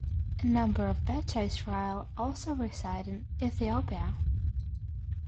A number of Beta Israel also reside in Ethiopia.